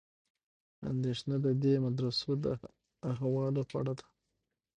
اندېښنه د دې مدرسو د احوالو په اړه ده.